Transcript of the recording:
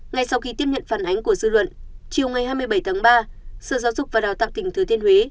ngay sau khi tiếp nhận phản ánh của dư luận chiều ngày hai mươi bảy tháng ba sở giáo dục và đào tạo tỉnh thừa thiên huế